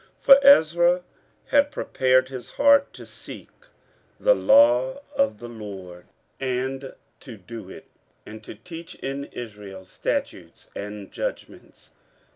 15:007:010 For Ezra had prepared his heart to seek the law of the LORD, and to do it, and to teach in Israel statutes and judgments.